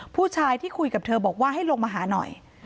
ผู้ชายที่คุยกับเธอบอกว่าให้ลงมาหาหน่อย